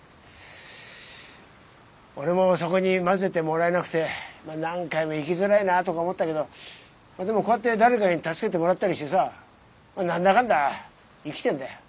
俺もそこに交ぜてもらえなくて何回も生きづらいなとか思ったけどでもこうやって誰かに助けてもらったりしてさ何だかんだ生きてんだよ。